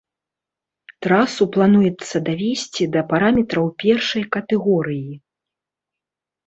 Трасу плануецца давесці да параметраў першай катэгорыі.